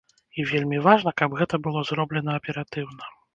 І вельмі важна, каб гэта было зроблена аператыўна.